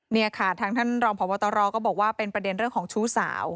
นี่ค่ะทางท่านรองพบตรก็บอกว่าเป็นประเด็นเรื่องของชู้สาว